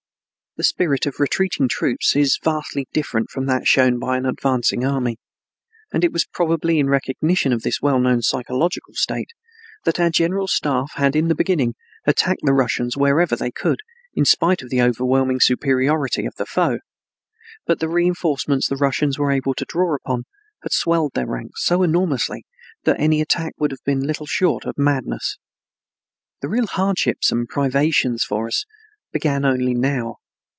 The spirit of retreating troops is vastly different from that shown by an advancing army, and it was probably in recognition of this well known psychological state that our general staff had in the beginning attacked the Russians wherever they could, in spite of the overwhelming superiority of the foe, but the reinforcements the Russians were able to draw upon had swelled their ranks so enormously that any attack would have been little short of madness. The real hardships and privations for us began only now.